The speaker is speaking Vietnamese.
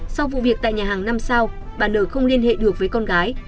sau vụ việc tại nhà hàng năm sao bà nở không liên hệ được với con gái